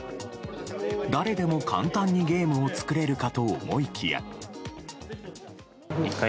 誰でも簡単にゲームを作れるかと思いきや。